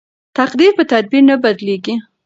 تقدیر په تدبیر نه بدلیږي.